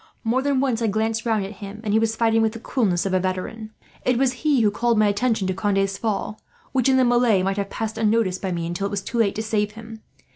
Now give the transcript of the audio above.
More than once I glanced round at him, and he was fighting with the coolness of a veteran. It was he who called my attention to Conde's fall which, in the melee, might have passed unnoticed by me until it was too late to save him.